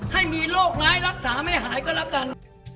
ให้มีโรคร้ายรักษาไม่หายก็แล้วกัน